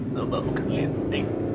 soalnya bukan lipstick